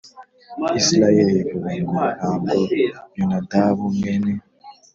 Isirayeli Ivuga Ngo Ntabwo Yonadabu Mwene